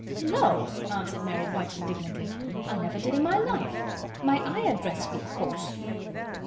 "No," answered Mary, quite indignantly. "I never did in my life. My Ayah dressed me, of course."